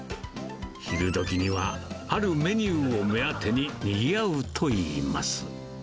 昼どきには、あるメニューを目当てに、にぎわうといいます。